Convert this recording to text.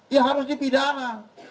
ya harus dipidana